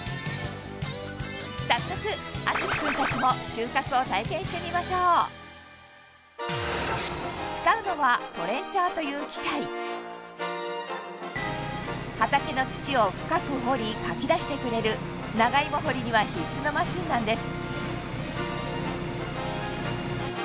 早速淳君達も収穫を体験してみましょう使うのはトレンチャーという機械畑の土を深く掘りかきだしてくれる長芋掘りには必須のマシンなんです